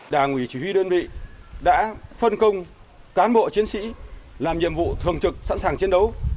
đảng ủy chủ huy đơn vị đã phân công cán bộ chiến sĩ làm nhiệm vụ thường trực sẵn sàng chiến đấu